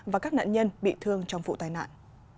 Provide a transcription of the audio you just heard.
và các nạn nhân bị thương trong vụ tai nạn